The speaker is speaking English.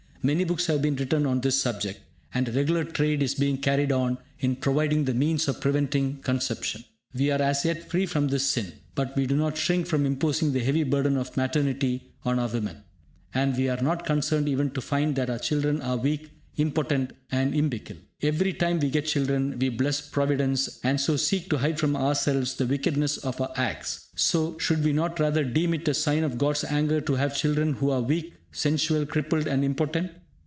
Many books have been written on this subject, and a regular trade is being carried on in providing the means of preventing conception. We are as yet free from this sin, but we do not shrink from imposing the heavy burden of maternity on our women, and we are not concerned even to find that our children are weak, impotent and imbecile. Every time we get children, we bless Providence, and so seek to hide from ourselves the wickedness of our acts. Should we not rather deem it a sign of God's anger to have children who are weak, sensual, crippled and impotent?